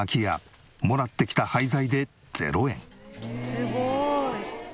すごい。